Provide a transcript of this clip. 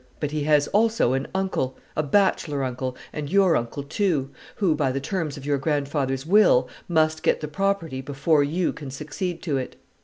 But he has also an uncle a bachelor uncle, and your uncle, too who, by the terms of your grandfather's will, must get the property before you can succeed to it.